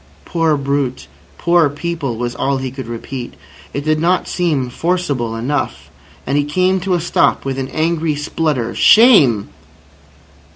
"Poor brute, poor people!" was all he could repeat. It did not seem forcible enough, and he came to a stop with an angry splutter: "Shame!"